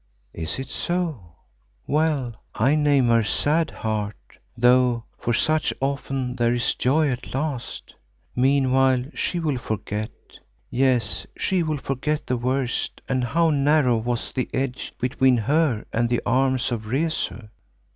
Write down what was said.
"Is it so? Well, I name her Sad Heart, though for such often there is joy at last. Meanwhile she will forget; yes, she will forget the worst and how narrow was the edge between her and the arms of Rezu."